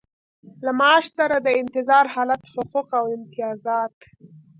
له معاش سره د انتظار حالت حقوق او امتیازات.